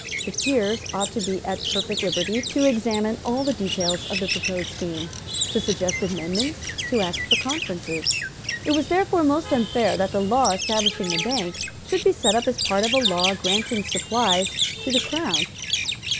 The Peers ought to be at perfect liberty to examine all the details of the proposed scheme, to suggest amendments, to ask for conferences. It was therefore most unfair that the law establishing the Bank should be sent up as part of a law granting supplies to the Crown.